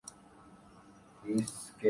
of شور کمپنیوں کی ملکیت‘